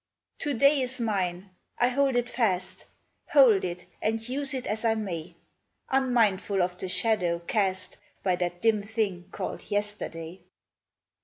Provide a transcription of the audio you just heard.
O DAY is mine ; I hold it fast, Hold it and use it as I may, Unmindful of the shadow cast By that dim thing called Yesterday.